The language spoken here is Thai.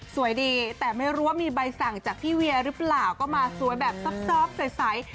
สวยดีแต่ไม่รู้ว่ามีใบสั่งจากพี่เวียหรือเปล่าก็มาสวยแบบซอบใส